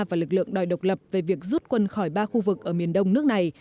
và lực lượng đòi độc lập về việc rút quân khỏi ba khu vực ở miền đông nước này